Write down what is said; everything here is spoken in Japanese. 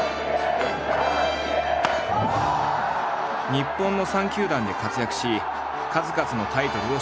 日本の３球団で活躍し数々のタイトルを取得。